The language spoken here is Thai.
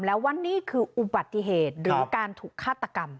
แล้วว่านี่คืออุบัติเหตุหรือการถูกฆาตกรรม